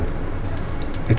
itu tanpa cinta